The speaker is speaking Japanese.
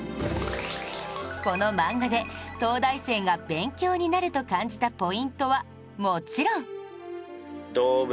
この漫画で東大生が勉強になると感じたポイントはもちろん